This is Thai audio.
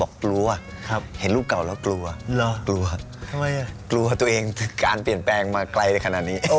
กลัวตัวเองการเปลี่ยนแปลงมาไกลแค่นี้